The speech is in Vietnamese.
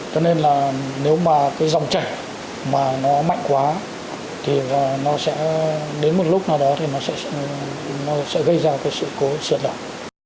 cho nên là nếu mà cái dòng chảy mà nó mạnh quá thì nó sẽ đến một lúc nào đó thì nó sẽ gây ra sự cố xuyệt đoạn